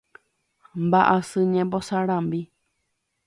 Mba'asy ñembosarambi.